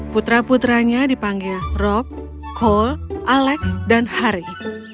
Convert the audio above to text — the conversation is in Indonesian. putra putranya dipanggil rob cole alex dan harry